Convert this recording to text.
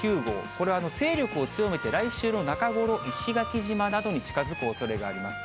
これは勢力を強めて、来週の中頃、石垣島などに近づくおそれがあります。